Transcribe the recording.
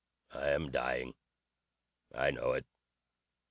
"I am dying. I know it.